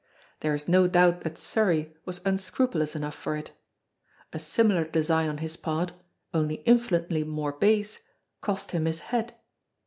There is no doubt that Surrey was unscrupulous enough for it. A similar design on his part only infinitely more base cost him his head.